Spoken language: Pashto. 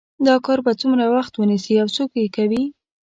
دا کار به څومره وخت ونیسي او څوک یې کوي